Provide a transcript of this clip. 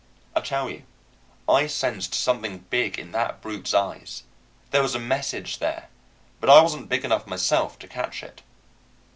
I tell you I sensed something big in that brute's eyes; there was a message there, but I wasn't big enough myself to catch it.